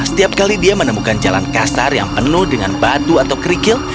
setiap kali dia menemukan jalan kasar yang penuh dengan batu atau kerikil